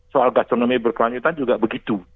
soal gastronomi berkelanjutan juga begitu